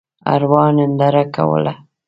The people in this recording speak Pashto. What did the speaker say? ارواح ننداره کوله.